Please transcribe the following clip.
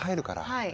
はい。